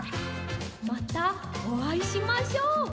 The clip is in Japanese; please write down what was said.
またおあいしましょう！